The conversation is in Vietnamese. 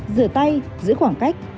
rửa tay giữ khoảng cách